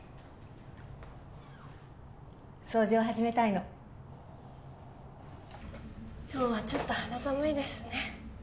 掃除を始めたいの今日はちょっと肌寒いですね